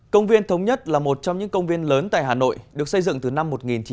công viên thống nhất là một trong những công viên lớn tại hà nội được xây dựng từ năm một nghìn chín trăm bảy mươi